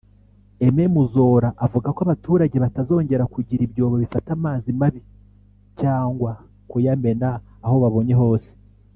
Aime Muzola avuga ko abaturage batazongera kugira ibyobo bifata amazi mabi cyangwa kuyamena aho babonye hose